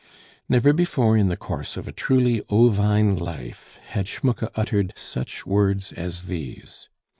Never before in the course of a truly ovine life had Schmucke uttered such words as these.